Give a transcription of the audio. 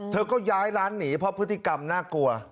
เธอก็ย้ายร้านหนีเพราะพฤติกรรมน่ากลัว